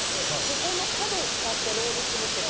ここの角を使ってロールするって事？